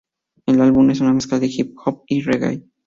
El álbum es una mezcla de hip hop y reggae.